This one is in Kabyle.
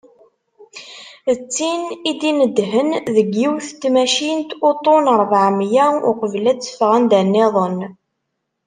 D tin i d-inedhen deg yiwet n tmacint uṭṭun rebεemya, uqbel ad teffeɣ anda-nniḍen.